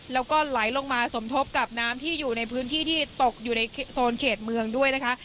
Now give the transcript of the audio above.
แล้วก็ไหลลงมาสมทบกับน้ำที่อยู่ในพื้นที่ที่ตกอยู่ในโซนเขตเมืองด้วยนะคะ